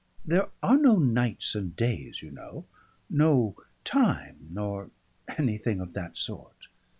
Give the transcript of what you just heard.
"There are no nights and days, you know. No time nor anything of that sort."